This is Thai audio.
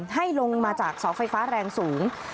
ให้ลงมาจากเสาไฟฟ้าแรงสูง